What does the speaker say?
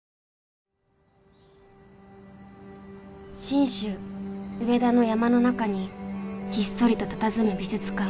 信州上田の山の中にひっそりとたたずむ美術館。